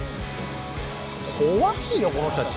怖いよこの人たち。